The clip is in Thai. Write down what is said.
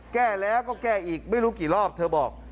แก้แล้วก็แก้อีกไม่รู้กี่รอบเธอบอก